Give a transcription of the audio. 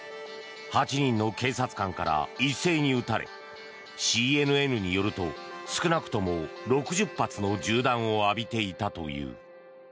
８人の警察官から一斉に撃たれＣＮＮによると少なくとも６０発の銃弾を浴びていたという。